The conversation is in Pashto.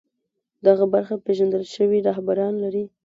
دغه برخه پېژندل شوي رهبران لري